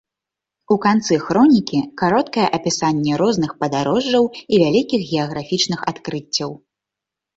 У канцы хронікі кароткае апісанне розных падарожжаў і вялікіх геаграфічных адкрыццяў.